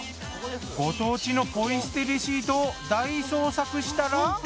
ご当地のポイ捨てレシートを大捜索したら。